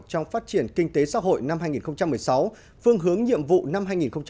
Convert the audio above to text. trong phát triển kinh tế xã hội năm hai nghìn một mươi sáu phương hướng nhiệm vụ năm hai nghìn hai mươi